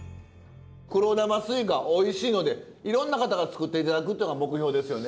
黒玉すいかおいしいのでいろんな方が作って頂くっていうのが目標ですよね。